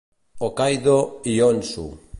Hokkaido i Honshu.